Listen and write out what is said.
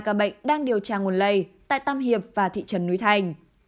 hai ca bệnh đang điều tra nguồn lây tại tàm hiệp và thị trấn núi thành